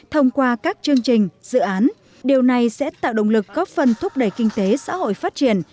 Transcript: thông qua các chương trình dự án điều này sẽ tạo động lực góp phần thúc đẩy kinh tế xã hội phát triển